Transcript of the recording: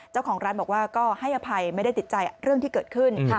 เจ้าของร้านบอกว่าก็ให้อภัยไม่ได้ติดใจเรื่องที่เกิดขึ้น